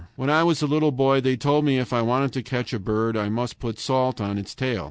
When I was a little boy they told me if I wanted to catch a bird I must put salt on its tail.